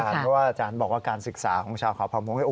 เพราะว่าอาจารย์บอกว่าการศึกษาของชาวเขาเผ่ามงค์